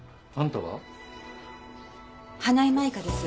花井舞香です。